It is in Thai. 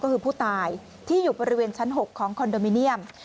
ก็คือผู้ตายที่อยู่บริเวณชั้น๖ของคอนโดมิเนียม